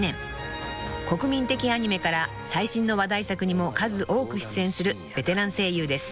［国民的アニメから最新の話題作にも数多く出演するベテラン声優です］